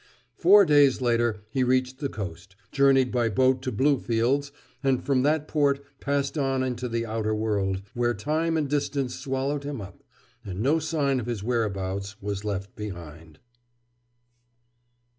Four days later he reached the coast, journeyed by boat to Bluefields, and from that port passed on into the outer world, where time and distance swallowed him up, and no sign of his whereabouts was left behind.